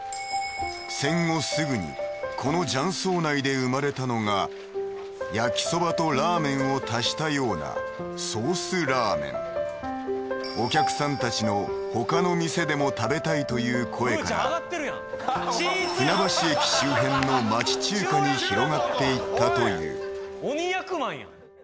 戦後すぐにこの雀荘内で生まれたのが焼きそばとラーメンを足したようなソースラーメンお客さんたちのほかの店でも食べたいという声から船橋駅周辺の町中華に広がっていったという鬼役満やん